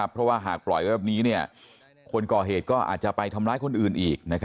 เพราะว่าหากปล่อยไว้แบบนี้คนก่อเหตุก็อาจจะไปทำร้ายคนอื่นอีก